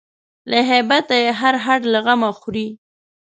له هیبته یې هر هډ له غمه خوري